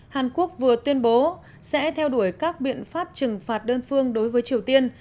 hàn quốc vừa tuyên bố sẽ theo đuổi các biện pháp trừng phạt đơn phương đối với triều tiên